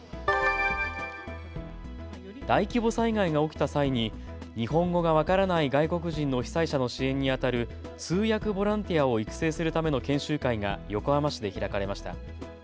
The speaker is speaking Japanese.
大規模災害が起きた際に日本語が分からない外国人の被災者の支援にあたる通訳ボランティアを育成するための研修会が横浜市で開かれました。